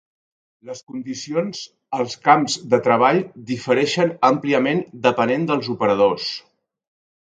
Les condicions als camps de treball difereixen àmpliament depenent dels operadors.